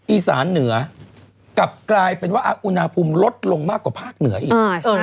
อีสานเหนือกลับกลายเป็นว่าอุณหภูมิลดลงมากกว่าภาคเหนืออีก